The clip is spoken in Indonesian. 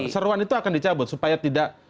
seruan itu akan dicabut supaya tidak